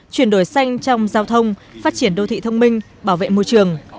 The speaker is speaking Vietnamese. chuyển đổi xanh trong giao thông phát triển đô thị thông minh bảo vệ môi trường